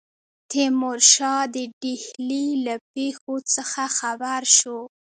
تیمورشاه د ډهلي له پیښو څخه خبر شو.